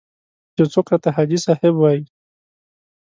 یو څوک راته حاجي صاحب وایي.